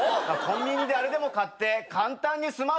コンビニであれでも買って簡単に済ますか。